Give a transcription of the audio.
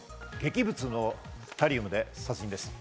加藤さん、劇物のタリウムで殺人です。